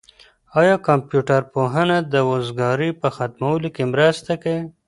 آیا کمپيوټر پوهنه د وزګارۍ په ختمولو کي مرسته کوي؟